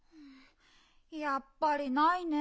やっぱりないね。